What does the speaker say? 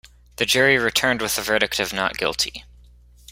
The jury returned with a verdict of not guilty.